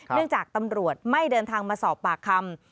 เนื่องจากตำรวจไม่เดินทางมาสอบปากคำ